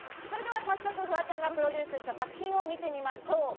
それは早速、フワちゃんがプロデュースした作品を見てみましょう。